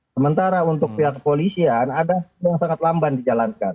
sementara untuk pihak kepolisian ada yang sangat lamban dijalankan